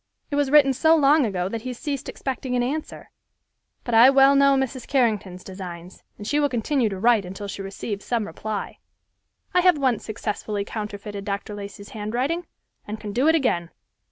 It was written so long ago that he has ceased expecting an answer, but I well know Mrs. Carrington's designs, and she will continue to write until she receives some reply. I have once successfully counterfeited Dr. Lacey's handwriting, and can do it again.